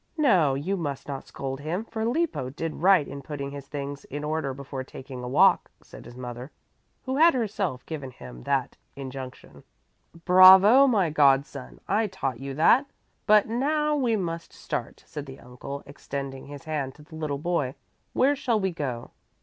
"No, you must not scold him, for Lippo did right in putting his things in order before taking a walk," said his mother, who had herself given him that injunction. "Bravo, my god son! I taught you that, but now we must start," said the uncle, extending his hand to the little boy. "Where shall we go?"